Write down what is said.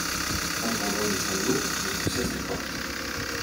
Entendant des sanglots, je poussai cette porte.